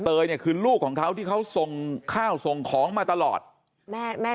ยเนี่ยคือลูกของเขาที่เขาส่งข้าวส่งของมาตลอดแม่แม่